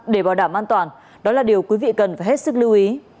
để bảo đảm an toàn đó là điều quý vị cần phải hết sức lưu ý